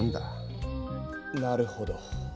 なるほど。